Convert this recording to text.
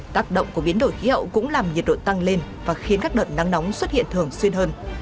tác động của biến đổi khí hậu cũng làm nhiệt độ tăng lên và khiến các đợt nắng nóng xuất hiện thường xuyên hơn